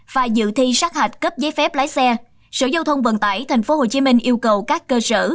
và dự thi sát hạch cấp giấy phép lái xe sở giao thông vận tải tp hcm yêu cầu các cơ sở